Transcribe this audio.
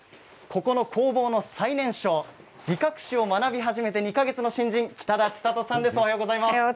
この工房の最年少擬革紙を学び始めて２か月の新人・北田智里さんです。